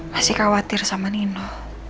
masih khawatir sama nino